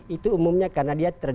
itu umumnya karena dia